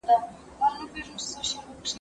ما له مړو کفنونه تښتولي